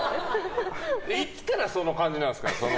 いつからそんな感じなんですか？